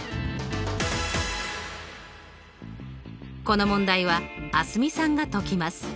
この問題は蒼澄さんが解きます。